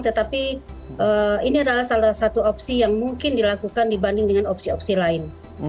tetapi ini adalah salah satu opsi yang mungkin dilakukan dibanding dengan opsi opsi lain